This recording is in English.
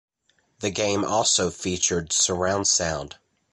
The game also featured surround sound.